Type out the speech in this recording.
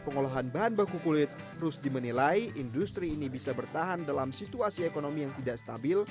pengolahan bahan baku kulit terus dimenilai industri ini bisa bertahan dalam situasi ekonomi